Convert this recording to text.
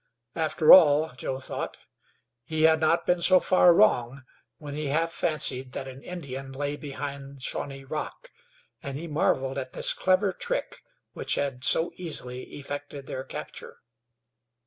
After all, Joe thought, he had not been so far wrong when he half fancied that an Indian lay behind Shawnee Rock, and he marveled at this clever trick which had so easily effected their capture.